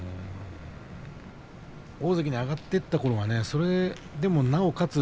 大関に上がっていったころはそれでも、なおかつ